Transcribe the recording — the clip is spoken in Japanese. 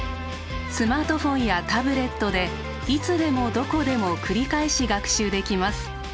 スマートフォンやタブレットでいつでもどこでも繰り返し学習できます。